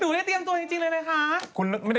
ได้เตรียมตัวจริงเลยไหมคะ